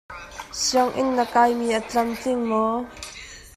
Sianginn na kai mi a tlamtling maw?